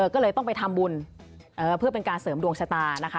ก็เลยต้องไปทำบุญเพื่อเป็นการเสริมดวงชะตานะคะ